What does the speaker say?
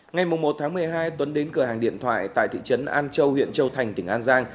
ngày một tháng một mươi hai tuấn đến cửa hàng điện thoại tại thị trấn an châu huyện châu thành tỉnh an giang